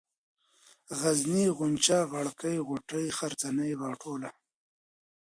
غرنۍ ، غونچه ، غاړه كۍ ، غوټۍ ، غرڅنۍ ، غاټوله